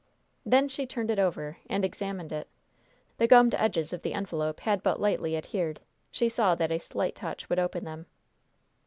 Then she turned it over and examined it. The gummed edges of the envelope had but lightly adhered. She saw that a slight touch would open them.